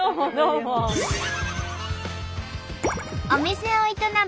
お店を営む